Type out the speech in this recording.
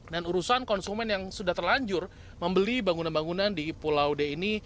dan urusan konsumen yang sudah terlanjur membeli bangunan bangunan di pulau d ini